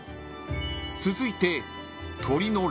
［続いて］